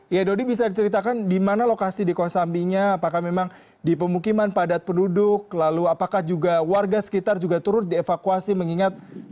ya dodi bisa diceritakan di mana lokasi di kosambinya apakah memang di pemukiman padat penduduk lalu apakah juga warga sekitar juga turut dievakuasi mengingat